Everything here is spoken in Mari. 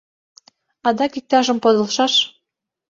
Адак иктажым подылшаш.